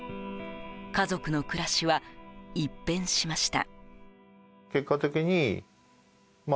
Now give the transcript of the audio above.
家族の暮らしは一変しました。